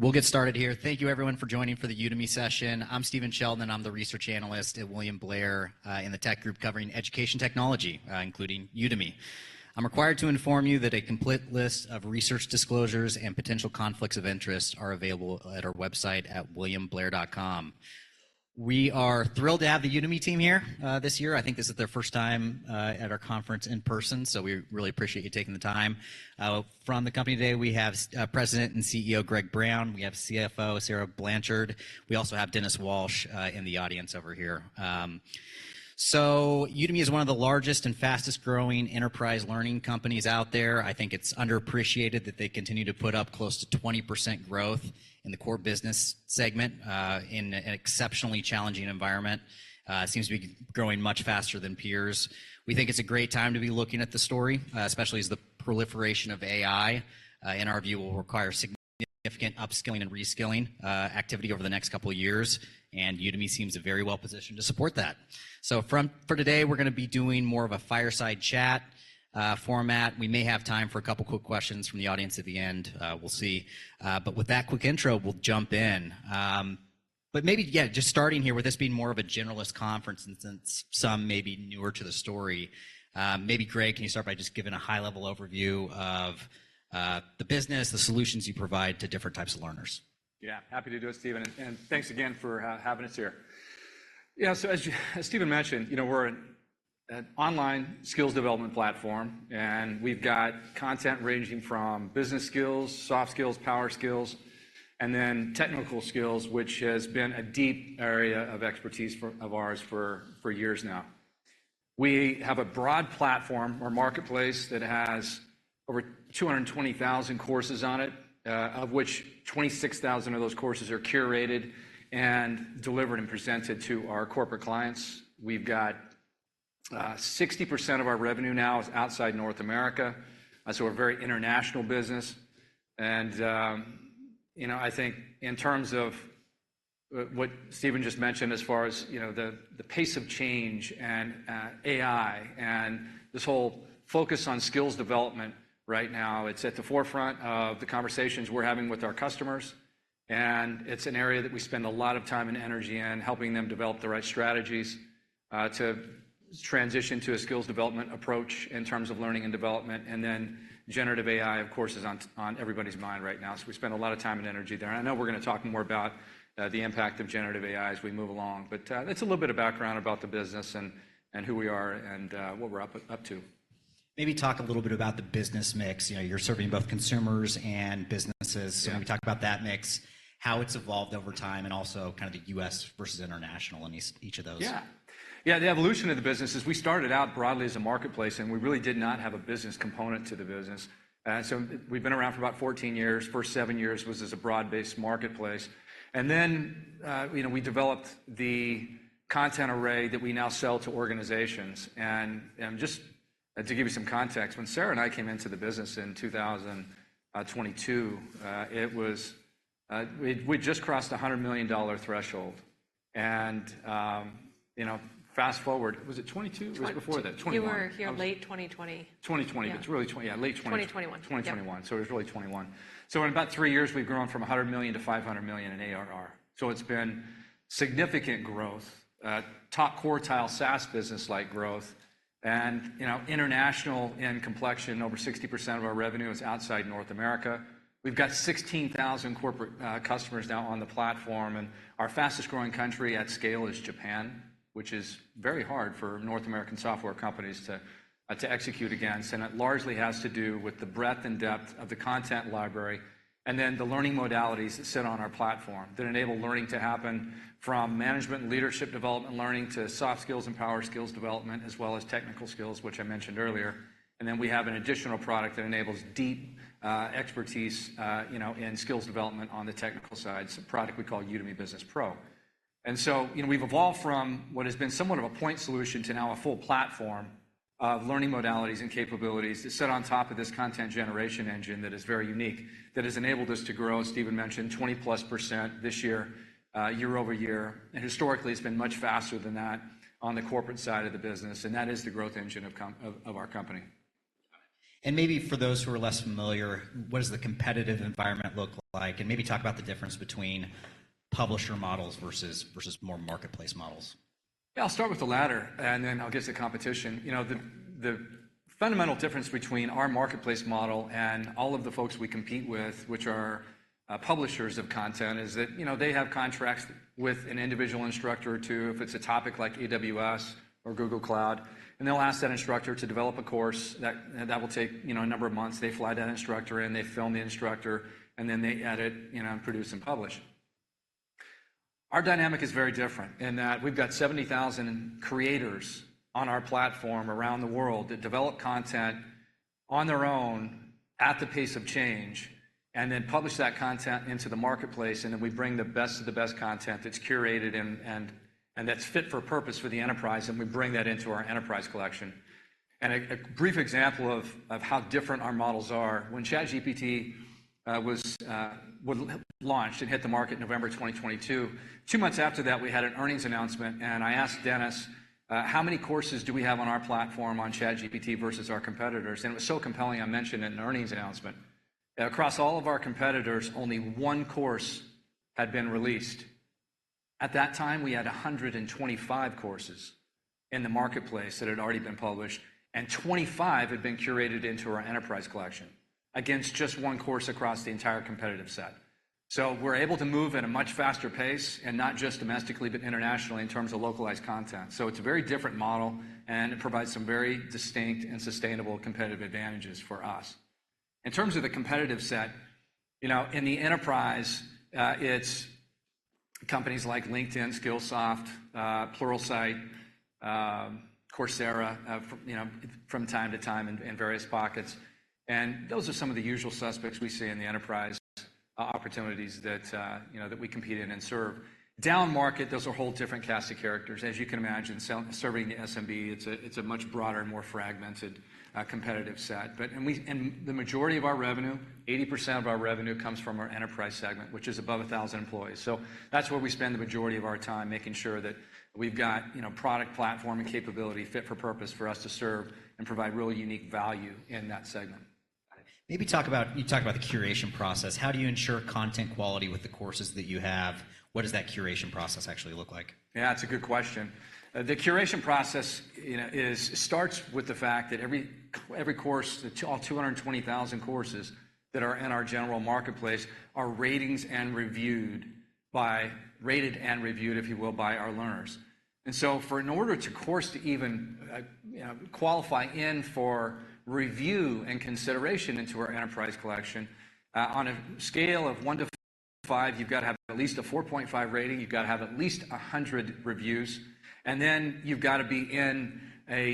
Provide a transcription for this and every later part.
We'll get started here. Thank you everyone for joining for the Udemy session. I'm Stephen Sheldon, I'm the research analyst at William Blair, in the tech group covering education technology, including Udemy. I'm required to inform you that a complete list of research disclosures and potential conflicts of interest are available at our website at williamblair.com. We are thrilled to have the Udemy team here, this year. I think this is their first time, at our conference in person, so we really appreciate you taking the time. From the company today, we have President and CEO Greg Brown. We have CFO Sarah Blanchard. We also have Dennis Walsh, in the audience over here. So Udemy is one of the largest and fastest-growing enterprise learning companies out there. I think it's underappreciated that they continue to put up close to 20% growth in the core business segment, in an exceptionally challenging environment. Seems to be growing much faster than peers. We think it's a great time to be looking at the story, especially as the proliferation of AI, in our view, will require significant upskilling and reskilling activity over the next couple of years, and Udemy seems very well positioned to support that. So for today, we're gonna be doing more of a fireside chat format. We may have time for a couple quick questions from the audience at the end, we'll see. But with that quick intro, we'll jump in. But maybe, yeah, just starting here, with this being more of a generalist conference and since some may be newer to the story, maybe Greg, can you start by just giving a high-level overview of the business, the solutions you provide to different types of learners? Yeah, happy to do it, Stephen, and thanks again for having us here. Yeah, so as you, as Stephen mentioned, you know, we're an online skills development platform, and we've got content ranging from business skills, soft skills, power skills, and then technical skills, which has been a deep area of expertise for us for years now. We have a broad platform or marketplace that has over 220,000 courses on it, of which 26,000 of those courses are curated and delivered and presented to our corporate clients. We've got 60% of our revenue now is outside North America, so we're a very international business. You know, I think in terms of what Stephen just mentioned, as far as, you know, the pace of change and AI, and this whole focus on skills development right now, it's at the forefront of the conversations we're having with our customers, and it's an area that we spend a lot of time and energy in, helping them develop the right strategies to transition to a skills development approach in terms of learning and development. And then generative AI, of course, is on everybody's mind right now. So we spend a lot of time and energy there. I know we're going to talk more about the impact of generative AI as we move along, but it's a little bit of background about the business and who we are and what we're up to. Maybe talk a little bit about the business mix. You know, you're serving both consumers and businesses. Yeah. So can you talk about that mix, how it's evolved over time, and also kind of the U.S. versus international in each, each of those? Yeah. Yeah, the evolution of the business is we started out broadly as a marketplace, and we really did not have a business component to the business. So we've been around for about 14 years. First 7 years was as a broad-based marketplace, and then, you know, we developed the content array that we now sell to organizations. Just to give you some context, when Sarah and I came into the business in 2022, it was we'd just crossed the $100 million threshold. You know, fast-forward, was it 2022? '22. It was before that, 2021. You were here late 2020. 2020. Yeah. It's really 20... Yeah, late 2020- 2021. 2021. Yeah. So it was really 2021. So in about three years, we've grown from $100 million to $500 million in ARR. So it's been significant growth, top quartile SaaS business-like growth and, you know, international in complexion. Over 60% of our revenue is outside North America. We've got 16,000 corporate customers now on the platform, and our fastest-growing country at scale is Japan, which is very hard for North American software companies to execute against. And it largely has to do with the breadth and depth of the content library, and then the learning modalities that sit on our platform that enable learning to happen, from management and leadership development learning to soft skills and power skills development, as well as technical skills, which I mentioned earlier. Then we have an additional product that enables deep expertise, you know, in skills development on the technical side. It's a product we call Udemy Business Pro. So, you know, we've evolved from what has been somewhat of a point solution to now a full platform of learning modalities and capabilities that sit on top of this content generation engine that is very unique, that has enabled us to grow, as Stephen mentioned, 20%+ this year, year over year. And historically, it's been much faster than that on the corporate side of the business, and that is the growth engine of our company. Maybe for those who are less familiar, what does the competitive environment look like? Maybe talk about the difference between publisher models versus more marketplace models. Yeah, I'll start with the latter, and then I'll get to the competition. You know, the, the fundamental difference between our marketplace model and all of the folks we compete with, which are, publishers of content, is that, you know, they have contracts with an individual instructor or two, if it's a topic like AWS or Google Cloud, and they'll ask that instructor to develop a course that, that will take, you know, a number of months. They fly that instructor in, they film the instructor, and then they edit, you know, and produce and publish. Our dynamic is very different in that we've got 70,000 creators on our platform around the world that develop content on their own at the pace of change and then publish that content into the marketplace, and then we bring the best of the best content that's curated and that's fit for purpose for the enterprise, and we bring that into our enterprise collection. A brief example of how different our models are: when ChatGPT was launched, it hit the market in November 2022. 2 months after that, we had an earnings announcement, and I asked Dennis, "How many courses do we have on our platform on ChatGPT versus our competitors?" And it was so compelling, I mentioned it in the earnings announcement. Across all of our competitors, only one course had been released. At that time, we had 125 courses in the marketplace that had already been published, and 25 had been curated into our enterprise collection, against just one course across the entire competitive set. So we're able to move at a much faster pace, and not just domestically, but internationally, in terms of localized content. So it's a very different model, and it provides some very distinct and sustainable competitive advantages for us. In terms of the competitive set, you know, in the enterprise, it's companies like LinkedIn, Skillsoft, Pluralsight, Coursera, from time to time in various pockets. And those are some of the usual suspects we see in the enterprise, opportunities that we compete in and serve. Down market, those are a whole different cast of characters. As you can imagine, serving the SMB, it's a much broader, more fragmented, competitive set. But, and the majority of our revenue, 80% of our revenue, comes from our enterprise segment, which is above 1,000 employees. So that's where we spend the majority of our time, making sure that we've got, you know, product, platform, and capability fit for purpose for us to serve and provide really unique value in that segment. You talked about the curation process. How do you ensure content quality with the courses that you have? What does that curation process actually look like? Yeah, that's a good question. The curation process, you know, starts with the fact that every course, all 220,000 courses that are in our general marketplace, are rated and reviewed, if you will, by our learners. And so in order for a course to even, you know, qualify for review and consideration into our enterprise collection, on a scale of 1-5, you've got to have at least a 4.5 rating, you've got to have at least 100 reviews, and then you've got to be in a,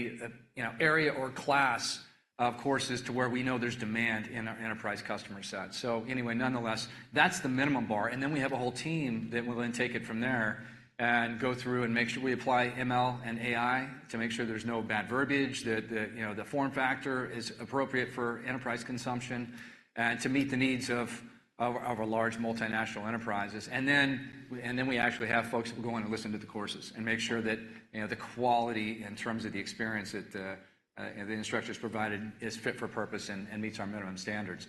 you know, area or class of courses to where we know there's demand in our enterprise customer set. So anyway, nonetheless, that's the minimum bar. And then we have a whole team that will then take it from there and go through and make sure we apply ML and AI to make sure there's no bad verbiage, that you know, the form factor is appropriate for enterprise consumption and to meet the needs of our large multinational enterprises. And then we actually have folks who go in and listen to the courses and make sure that you know, the quality in terms of the experience that the instructors provided is fit for purpose and meets our minimum standards.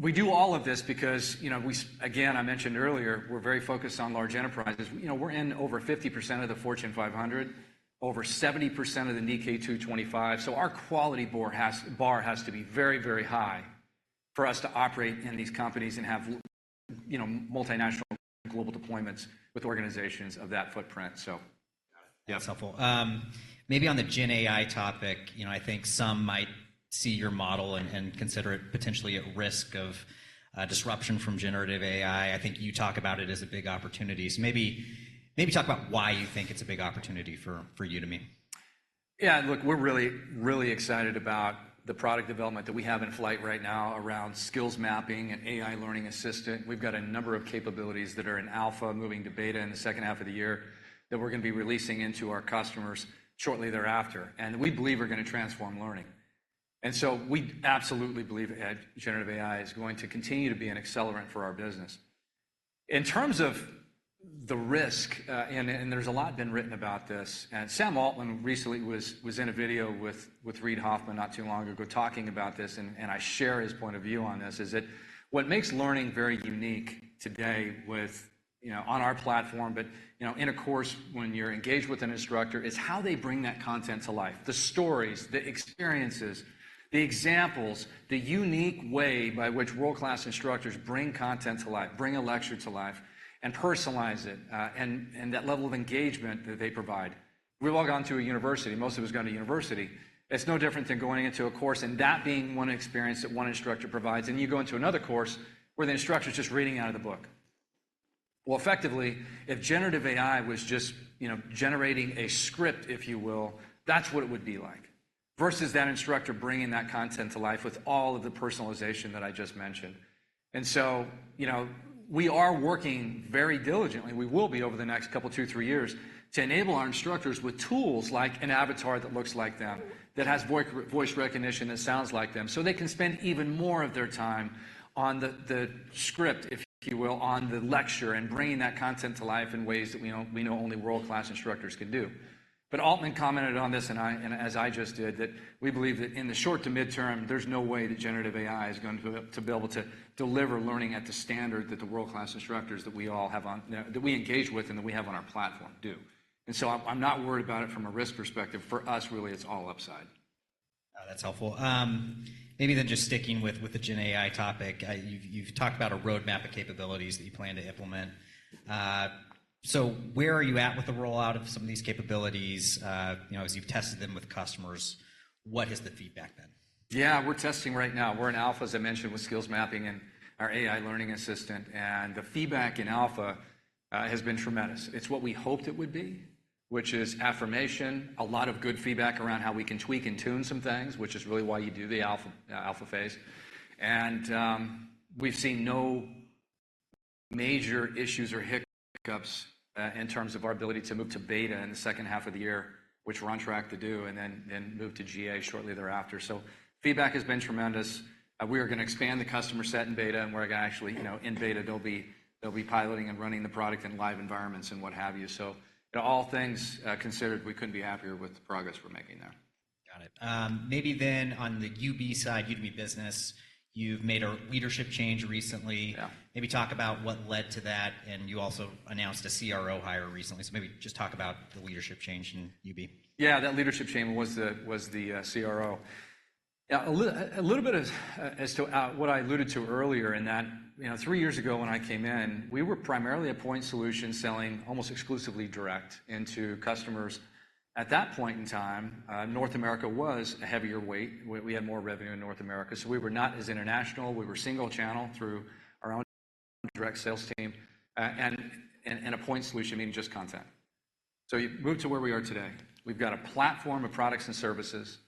We do all of this because, you know, again, I mentioned earlier, we're very focused on large enterprises. You know, we're in over 50% of the Fortune 500, over 70% of the Nikkei 225, so our quality bar has to be very, very high for us to operate in these companies and have, you know, multinational global deployments with organizations of that footprint. So, yeah. That's helpful. Maybe on the Gen AI topic, you know, I think some might see your model and consider it potentially at risk of disruption from generative AI. I think you talk about it as a big opportunity. So maybe talk about why you think it's a big opportunity for Udemy. Yeah, look, we're really, really excited about the product development that we have in flight right now around skills mapping and AI learning assistant. We've got a number of capabilities that are in alpha, moving to beta in the second half of the year, that we're going to be releasing into our customers shortly thereafter, and we believe are going to transform learning. And so we absolutely believe that generative AI is going to continue to be an accelerant for our business. In terms of the risk, there's a lot been written about this, and Sam Altman recently was in a video with Reid Hoffman not too long ago, talking about this, and I share his point of view on this: is that what makes learning very unique today with, you know, on our platform, but, you know, in a course when you're engaged with an instructor, is how they bring that content to life, the stories, the experiences, the examples, the unique way by which world-class instructors bring content to life, bring a lecture to life and personalize it, and that level of engagement that they provide. We've all gone to a university. Most of us gone to university. It's no different than going into a course and that being one experience that one instructor provides, and you go into another course where the instructor's just reading out of the book. Well, effectively, if generative AI was just, you know, generating a script, if you will, that's what it would be like. Versus that instructor bringing that content to life with all of the personalization that I just mentioned. And so, you know, we are working very diligently, we will be over the next couple, two, three years, to enable our instructors with tools like an avatar that looks like them, that has voice, voice recognition that sounds like them, so they can spend even more of their time on the, the script, if you will, on the lecture, and bringing that content to life in ways that we know, we know only world-class instructors can do. But Altman commented on this, and I, and as I just did, that we believe that in the short to mid-term, there's no way that generative AI is going to, to be able to deliver learning at the standard that the world-class instructors that we all have on, that we engage with and that we have on our platform do. And so I'm, I'm not worried about it from a risk perspective. For us, really, it's all upside. That's helpful. Maybe then just sticking with the Gen AI topic, you've talked about a roadmap of capabilities that you plan to implement. So where are you at with the rollout of some of these capabilities? You know, as you've tested them with customers, what has the feedback been? Yeah, we're testing right now. We're in alpha, as I mentioned, with skills mapping and our AI learning assistant, and the feedback in alpha has been tremendous. It's what we hoped it would be, which is affirmation, a lot of good feedback around how we can tweak and tune some things, which is really why you do the alpha phase. And we've seen no major issues or hiccups in terms of our ability to move to beta in the second half of the year, which we're on track to do, and then move to GA shortly thereafter. So feedback has been tremendous. We are going to expand the customer set in beta, and we're gonna actually, you know, in beta, they'll be piloting and running the product in live environments and what have you. So all things considered, we couldn't be happier with the progress we're making there.... Got it. Maybe then on the UB side, Udemy Business, you've made a leadership change recently. Yeah. Maybe talk about what led to that, and you also announced a CRO hire recently. So maybe just talk about the leadership change in UB. Yeah, that leadership change was the CRO. Yeah, a little bit as to what I alluded to earlier in that, you know, three years ago, when I came in, we were primarily a point solution selling almost exclusively direct into customers. At that point in time, North America was a heavier weight. We had more revenue in North America, so we were not as international. We were single channel through our own direct sales team, and a point solution meaning just content. So you move to where we are today. We've got a platform of products and services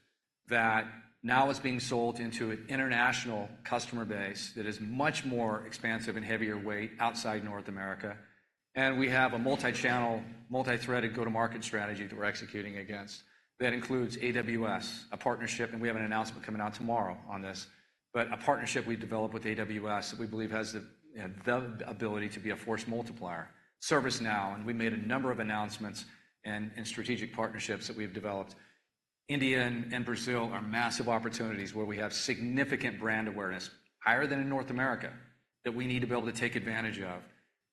that now is being sold into an international customer base that is much more expansive and heavier weight outside North America. And we have a multi-channel, multi-threaded go-to-market strategy that we're executing against. That includes AWS, a partnership, and we have an announcement coming out tomorrow on this, but a partnership we developed with AWS that we believe has the ability to be a force multiplier. ServiceNow, and we made a number of announcements and strategic partnerships that we've developed. India and Brazil are massive opportunities where we have significant brand awareness, higher than in North America, that we need to be able to take advantage of.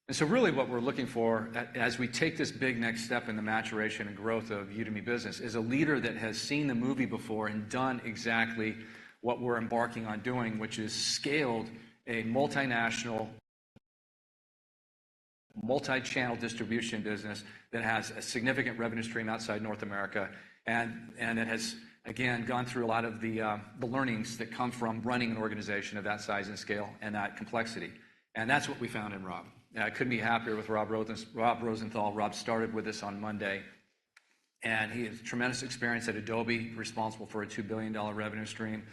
And so really, what we're looking for as we take this big next step in the maturation and growth of Udemy Business, is a leader that has seen the movie before and done exactly what we're embarking on doing, which is scaled a multinational, multi-channel distribution business that has a significant revenue stream outside North America. It has, again, gone through a lot of the learnings that come from running an organization of that size and scale and that complexity. That's what we found in Rob. I couldn't be happier with Rob Rosen- Rob Rosenthal. Rob started with us on Monday, and he has tremendous experience at Adobe, responsible for a $2 billion revenue stream.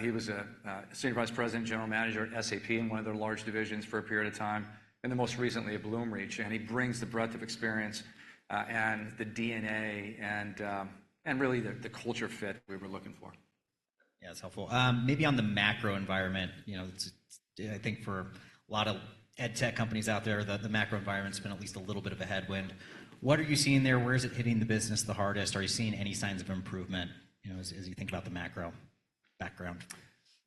He was a senior vice president and general manager at SAP in one of their large divisions for a period of time, and then most recently at Bloomreach, and he brings the breadth of experience and the DNA and really the culture fit we were looking for. Yeah, that's helpful. Maybe on the macro environment, you know, I think for a lot of edtech companies out there, the macro environment's been at least a little bit of a headwind. What are you seeing there? Where is it hitting the business the hardest? Are you seeing any signs of improvement, you know, as you think about the macro background,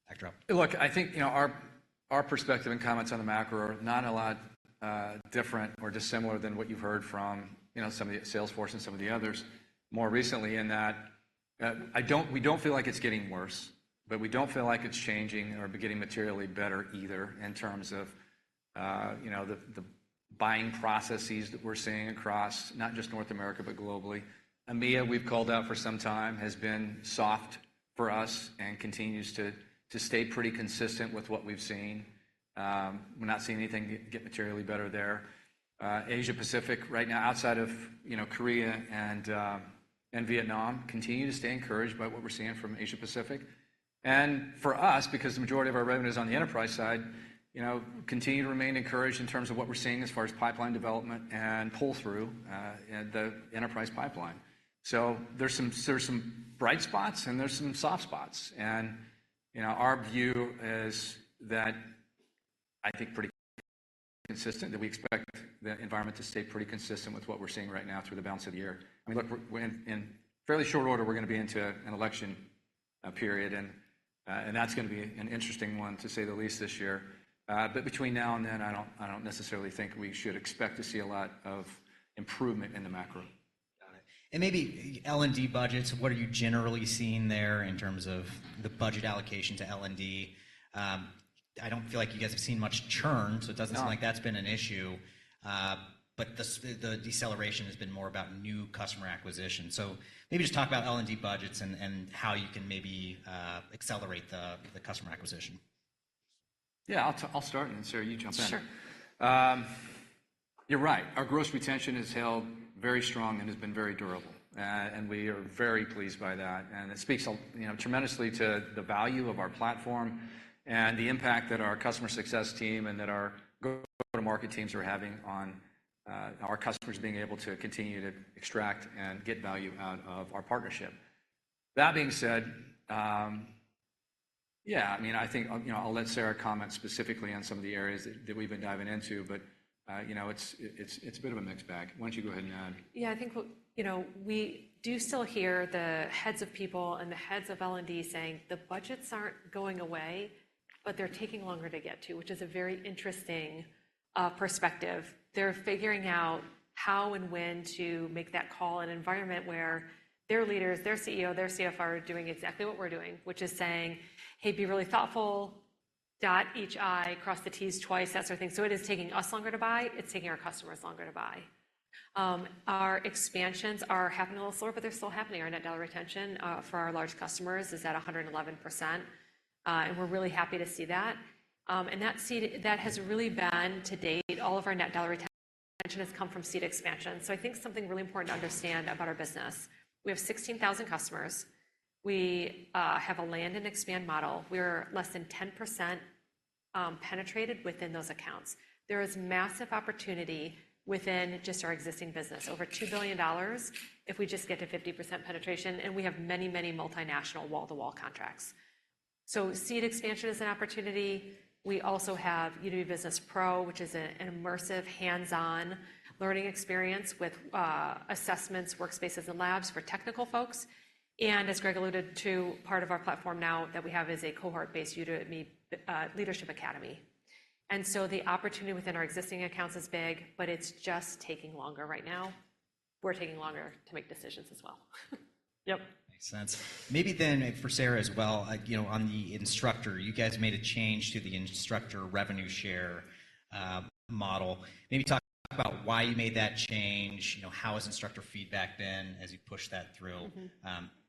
backdrop? Look, I think, you know, our perspective and comments on the macro are not a lot different or dissimilar than what you've heard from, you know, some of the Salesforce and some of the others more recently in that we don't feel like it's getting worse, but we don't feel like it's changing or getting materially better either in terms of, you know, the buying processes that we're seeing across not just North America, but globally. EMEA, we've called out for some time, has been soft for us and continues to stay pretty consistent with what we've seen. We're not seeing anything get materially better there. Asia-Pacific right now, outside of, you know, Korea and Vietnam, continue to stay encouraged by what we're seeing from Asia-Pacific. For us, because the majority of our revenue is on the enterprise side, you know, continue to remain encouraged in terms of what we're seeing as far as pipeline development and pull-through in the enterprise pipeline. There's some bright spots, and there's some soft spots. You know, our view is that I think pretty consistent, that we expect the environment to stay pretty consistent with what we're seeing right now through the balance of the year. I mean, look, we're in fairly short order, we're gonna be into an election period, and that's gonna be an interesting one, to say the least, this year. But between now and then, I don't, I don't necessarily think we should expect to see a lot of improvement in the macro. Got it. And maybe L&D budgets, what are you generally seeing there in terms of the budget allocation to L&D? I don't feel like you guys have seen much churn- No... so it doesn't seem like that's been an issue. But the deceleration has been more about new customer acquisition. So maybe just talk about L&D budgets and how you can maybe accelerate the customer acquisition. Yeah, I'll start, and Sarah, you jump in. Sure. You're right. Our gross retention has held very strong and has been very durable, and we are very pleased by that. It speaks, you know, tremendously to the value of our platform and the impact that our customer success team and that our go-to-market teams are having on our customers being able to continue to extract and get value out of our partnership. That being said, yeah, I mean, I think, I'll, you know, I'll let Sarah comment specifically on some of the areas that we've been diving into, but, you know, it's a bit of a mixed bag. Why don't you go ahead and add? Yeah, I think what, you know, we do still hear the heads of people and the heads of L&D saying, "The budgets aren't going away, but they're taking longer to get to," which is a very interesting perspective. They're figuring out how and when to make that call in an environment where their leaders, their CEO, their CFO, are doing exactly what we're doing, which is saying, "Hey, be really thoughtful. Dot each I, cross the Ts twice," that sort of thing. So it is taking us longer to buy. It's taking our customers longer to buy. Our expansions are happening a little slower, but they're still happening. Our Net Dollar Retention for our large customers is at 111%, and we're really happy to see that. And that has really been, to date, all of our Net Dollar Retention has come from seat expansion. So I think something really important to understand about our business: we have 16,000 customers. We have a land and expand model. We're less than 10% penetrated within those accounts. There is massive opportunity within just our existing business, over $2 billion if we just get to 50% penetration, and we have many, many multinational wall-to-wall contracts. So seat expansion is an opportunity. We also have Udemy Business Pro, which is an immersive, hands-on learning experience with assessments, workspaces, and labs for technical folks. And as Greg alluded to, part of our platform now that we have is a cohort-based Udemy Leadership Academy. And so the opportunity within our existing accounts is big, but it's just taking longer right now. We're taking longer to make decisions as well. Yep. Makes sense. Maybe then for Sarah as well, like, you know, on the instructor, you guys made a change to the instructor revenue share model. Maybe talk about why you made that change. You know, how has instructor feedback been as you push that through?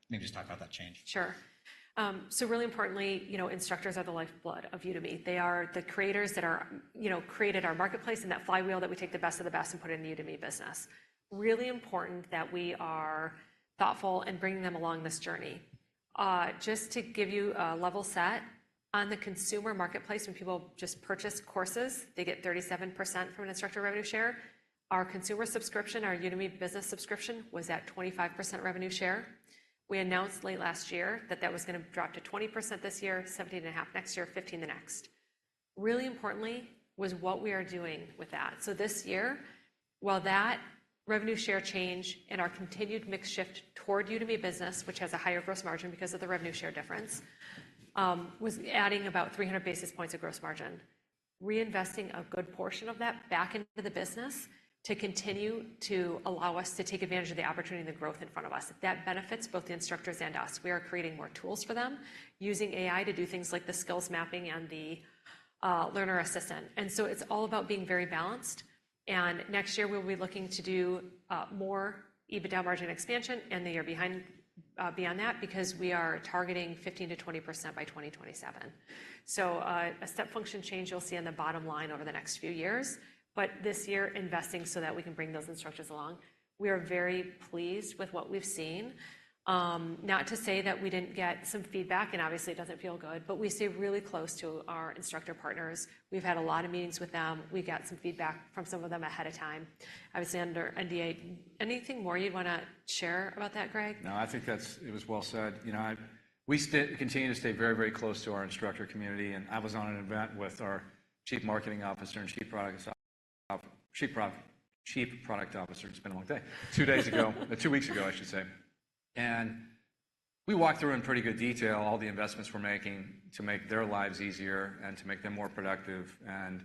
Mm-hmm. Maybe just talk about that change. Sure. So really importantly, you know, instructors are the lifeblood of Udemy. They are the creators that are, you know, created our marketplace and that flywheel that we take the best of the best and put into Udemy Business. Really important that we are thoughtful in bringing them along this journey. Just to give you a level set, on the consumer marketplace, when people just purchase courses, they get 37% from an instructor revenue share. Our consumer subscription, our Udemy Business subscription, was at 25% revenue share. We announced late last year that that was gonna drop to 20% this year, 17.5% next year, 15% the next. Really importantly was what we are doing with that. So this year, while that revenue share change and our continued mix shift toward Udemy Business, which has a higher gross margin because of the revenue share difference, was adding about 300 basis points of gross margin. Reinvesting a good portion of that back into the business to continue to allow us to take advantage of the opportunity and the growth in front of us, that benefits both the instructors and us. We are creating more tools for them, using AI to do things like the skills mapping and the learning assistant. So it's all about being very balanced, and next year we'll be looking to do more EBITDA margin expansion and the year behind beyond that because we are targeting 15%-20% by 2027. So, a step function change you'll see on the bottom line over the next few years, but this year, investing so that we can bring those instructors along. We are very pleased with what we've seen. Not to say that we didn't get some feedback, and obviously it doesn't feel good, but we stay really close to our instructor partners. We've had a lot of meetings with them. We got some feedback from some of them ahead of time, obviously under NDA. Anything more you'd wanna share about that, Greg? No, I think that's... It was well said. You know, I, we continue to stay very, very close to our instructor community, and I was on an event with our Chief Marketing Officer and Chief Product Officer—it's been a long day, two weeks ago, I should say. And we walked through in pretty good detail all the investments we're making to make their lives easier and to make them more productive, and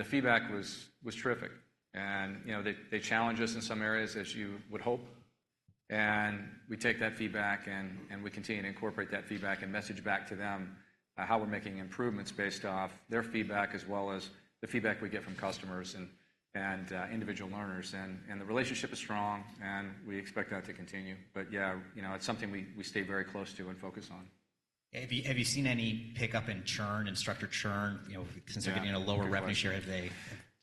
the feedback was terrific. And, you know, they challenge us in some areas, as you would hope, and we take that feedback, and we continue to incorporate that feedback and message back to them how we're making improvements based off their feedback, as well as the feedback we get from customers and individual learners. The relationship is strong, and we expect that to continue. But yeah, you know, it's something we stay very close to and focus on. Have you seen any pickup in churn, instructor churn? You know, since they're- Yeah... getting a lower revenue share, have they?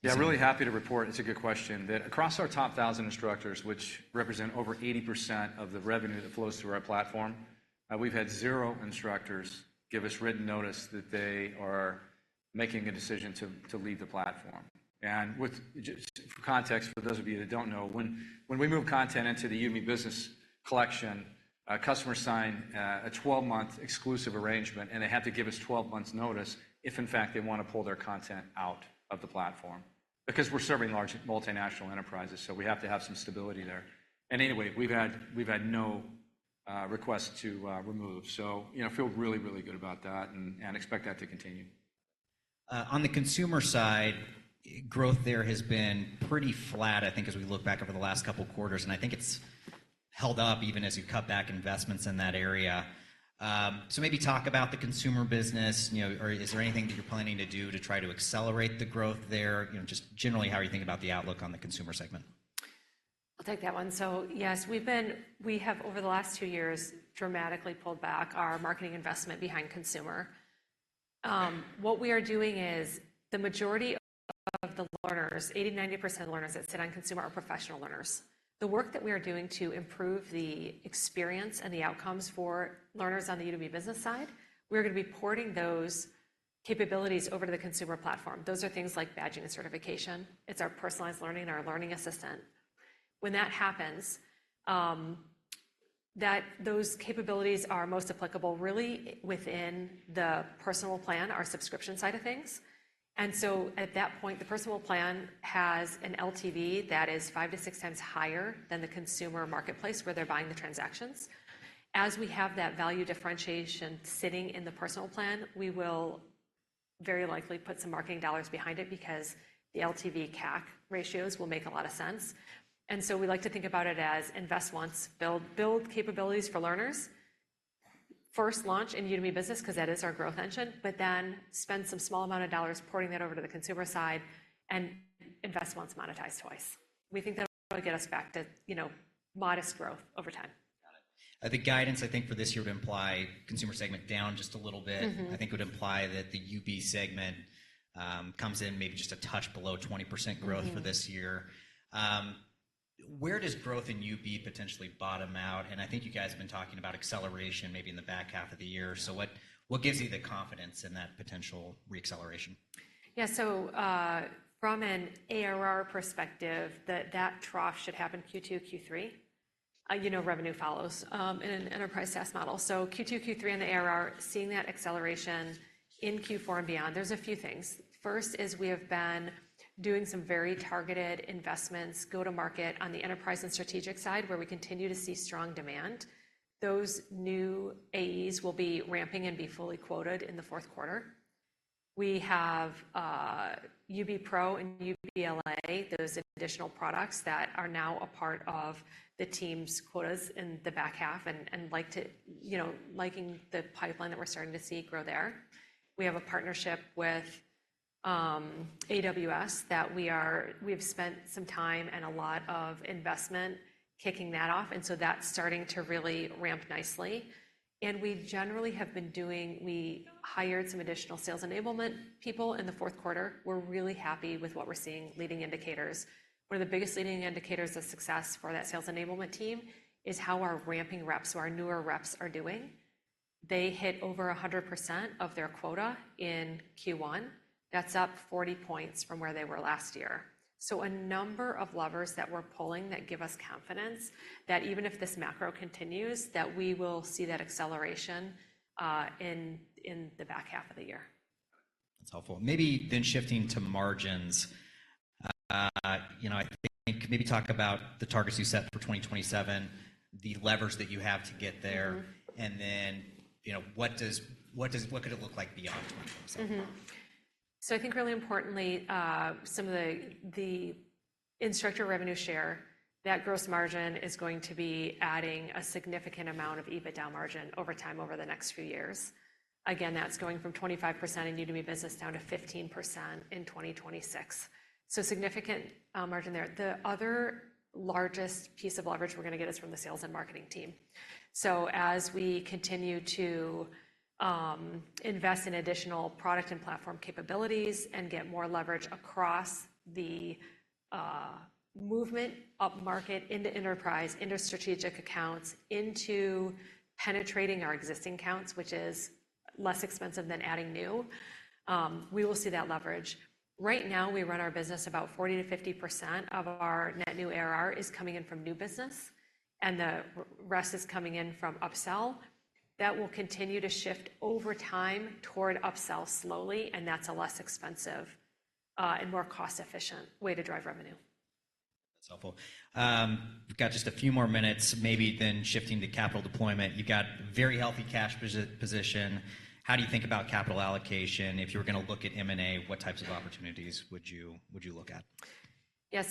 Yeah, really happy to report, it's a good question, that across our top 1,000 instructors, which represent over 80% of the revenue that flows through our platform, we've had 0 instructors give us written notice that they are making a decision to leave the platform. And with just for context, for those of you that don't know, when we move content into the Udemy Business collection, a customer sign a 12-month exclusive arrangement, and they have to give us 12 months' notice if, in fact, they wanna pull their content out of the platform because we're serving large multinational enterprises, so we have to have some stability there. And anyway, we've had no request to remove. So, you know, feel really, really good about that and expect that to continue. On the consumer side, growth there has been pretty flat, I think, as we look back over the last couple of quarters, and I think it's held up even as you cut back investments in that area. So maybe talk about the consumer business, you know, or is there anything that you're planning to do to try to accelerate the growth there? You know, just generally, how are you thinking about the outlook on the consumer segment? I'll take that one. So yes, we have, over the last two years, dramatically pulled back our marketing investment behind consumer. What we are doing is, the majority of the learners, 80%-90% of learners that sit on consumer, are professional learners. The work that we are doing to improve the experience and the outcomes for learners on the Udemy Business side, we're gonna be porting those capabilities over to the consumer platform. Those are things like badging and certification. It's our personalized learning and our learning assistant. When that happens, those capabilities are most applicable really within the Personal Plan, our subscription side of things. And so at that point, the Personal Plan has an LTV that is 5-6 times higher than the consumer marketplace, where they're buying the transactions. As we have that value differentiation sitting in the personal plan, we will very likely put some marketing dollars behind it because the LTV/CAC ratios will make a lot of sense. And so we like to think about it as invest once, build, build capabilities for learners. First launch in Udemy Business, 'cause that is our growth engine, but then spend some small amount of dollars porting that over to the consumer side and invest once, monetize twice. We think that'll get us back to, you know, modest growth over time. Got it. The guidance, I think, for this year would imply consumer segment down just a little bit. Mm-hmm. I think would imply that the UB segment, comes in maybe just a touch below 20% growth- Mm-hmm... for this year. Where does growth in UB potentially bottom out? And I think you guys have been talking about acceleration maybe in the back half of the year. So what, what gives you the confidence in that potential reacceleration? Yeah. So, from an ARR perspective, that trough should happen Q2, Q3. You know, revenue follows in an enterprise SaaS model. So Q2, Q3 on the ARR, seeing that acceleration in Q4 and beyond, there's a few things. First is we have been doing some very targeted investments, go-to-market on the enterprise and strategic side, where we continue to see strong demand. Those new AEs will be ramping and be fully quoted in the fourth quarter. We have UB Pro and UBLA, those additional products that are now a part of the team's quotas in the back half and, and like to, you know, liking the pipeline that we're starting to see grow there. We have a partnership with AWS, that we are—we've spent some time and a lot of investment kicking that off, and so that's starting to really ramp nicely. We generally have been doing. We hired some additional sales enablement people in the fourth quarter. We're really happy with what we're seeing, leading indicators. One of the biggest leading indicators of success for that sales enablement team is how our ramping reps, so our newer reps, are doing. They hit over 100% of their quota in Q1. That's up 40 points from where they were last year. A number of levers that we're pulling that give us confidence that even if this macro continues, that we will see that acceleration in the back half of the year. That's helpful. Maybe then shifting to margins, you know, I think, maybe talk about the targets you set for 2027, the levers that you have to get there- Mm-hmm. And then, you know, what could it look like beyond 2027? Mm-hmm. So I think really importantly, some of the, the instructor revenue share, that gross margin is going to be adding a significant amount of EBITDA margin over time, over the next few years. Again, that's going from 25% in Udemy Business down to 15% in 2026. So significant margin there. The other largest piece of leverage we're gonna get is from the sales and marketing team. So as we continue to invest in additional product and platform capabilities and get more leverage across the movement upmarket into enterprise, into strategic accounts, into penetrating our existing accounts, which is less expensive than adding new, we will see that leverage. Right now, we run our business about 40-50% of our net new ARR is coming in from new business, and the rest is coming in from upsell. That will continue to shift over time toward upsell slowly, and that's a less expensive and more cost-efficient way to drive revenue. That's helpful. We've got just a few more minutes, maybe then shifting to capital deployment. You've got very healthy cash position. How do you think about capital allocation? If you were gonna look at M&A, what types of opportunities would you look at? Yeah.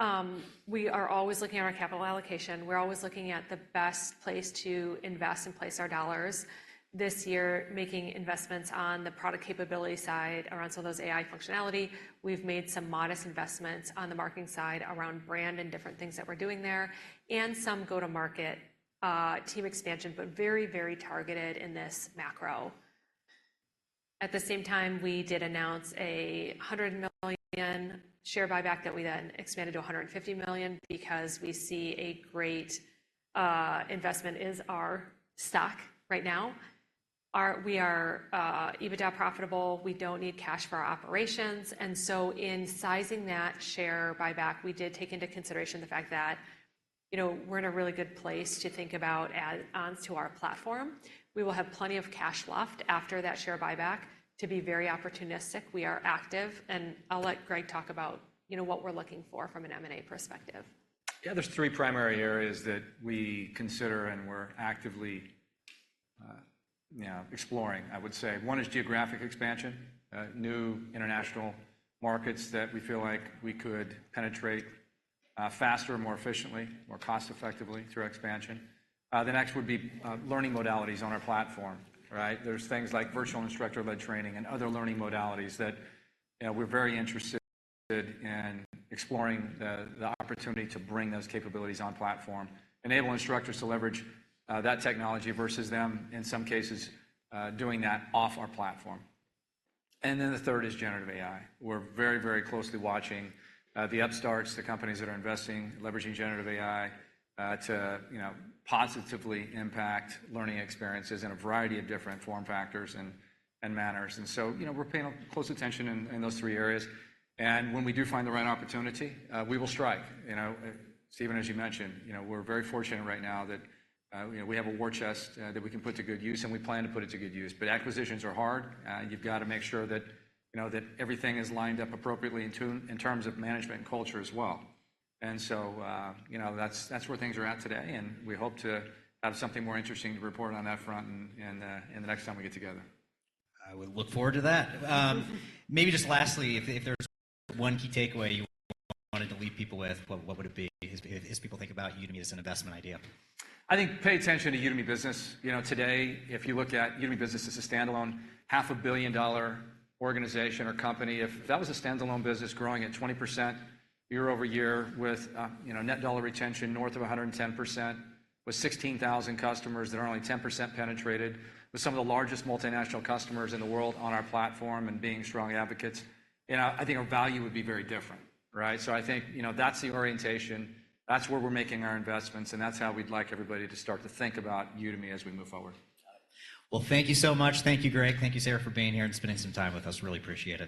So, we are always looking at our capital allocation. We're always looking at the best place to invest and place our dollars. This year, making investments on the product capability side around some of those AI functionality, we've made some modest investments on the marketing side around brand and different things that we're doing there, and some go-to-market, team expansion, but very, very targeted in this macro. At the same time, we did announce a $100 million share buyback that we then expanded to a $150 million because we see a great, investment is our stock right now. We are, EBITDA profitable. We don't need cash for our operations, and so in sizing that share buyback, we did take into consideration the fact that, you know, we're in a really good place to think about add-ons to our platform. We will have plenty of cash left after that share buyback to be very opportunistic. We are active, and I'll let Greg talk about, you know, what we're looking for from an M&A perspective. Yeah, there's three primary areas that we consider, and we're actively, you know, exploring, I would say. One is geographic expansion, new international markets that we feel like we could penetrate, faster and more efficiently, more cost-effectively through expansion. The next would be, learning modalities on our platform, right? There's things like virtual instructor-led training and other learning modalities that, we're very interested in exploring the opportunity to bring those capabilities on platform, enable instructors to leverage, that technology versus them, in some cases, doing that off our platform. And then the third is Generative AI. We're very, very closely watching, the upstarts, the companies that are investing, leveraging Generative AI, to, you know, positively impact learning experiences in a variety of different form factors and, and manners. So, you know, we're paying close attention in those three areas, and when we do find the right opportunity, we will strike. You know, Stephen, as you mentioned, you know, we're very fortunate right now that, you know, we have a war chest that we can put to good use, and we plan to put it to good use. But acquisitions are hard. You've got to make sure that, you know, that everything is lined up appropriately in tune, in terms of management and culture as well. So, you know, that's where things are at today, and we hope to have something more interesting to report on that front and in the next time we get together. I would look forward to that. Maybe just lastly, if there's one key takeaway you wanted to leave people with, what would it be, as people think about Udemy as an investment idea? I think pay attention to Udemy Business. You know, today, if you look at Udemy Business as a standalone, $500 million organization or company, if that was a standalone business growing at 20% year-over-year with, you know, Net Dollar Retention north of 110%, with 16,000 customers that are only 10% penetrated, with some of the largest multinational customers in the world on our platform and being strong advocates, you know, I think our value would be very different, right? So I think, you know, that's the orientation, that's where we're making our investments, and that's how we'd like everybody to start to think about Udemy as we move forward. Well, thank you so much. Thank you, Greg. Thank you, Sarah, for being here and spending some time with us. Really appreciate it.